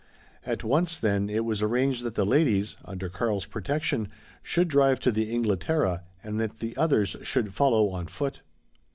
At once, then, it was arranged that the ladies, under Karl's protection, should drive to the Inglaterra, and that the others should follow on foot.